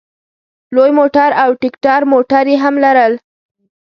لوی موټر او ټیکټر موټر یې هم لرل.